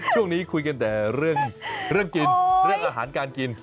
ช่วงนี้คุยกันแต่เรื่องกินเรื่องอาหารการกิน